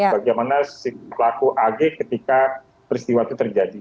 bagaimana si pelaku ag ketika peristiwa itu terjadi